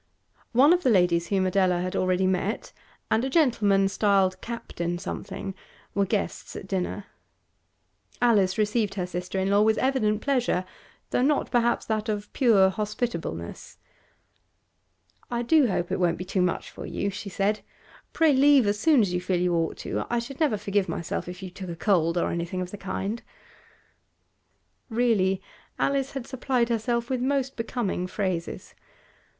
One of the ladies whom Adela had already met, and a gentleman styled Captain something, were guests at dinner. Alice received her sister in law with evident pleasure, though not perhaps that of pure hospitableness. 'I do hope it won't be too much for you,' she said. 'Pray leave as soon as you feel you ought to. I should never forgive myself if you took a cold or anything of the kind.' Really, Alice had supplied herself with most becoming phrases.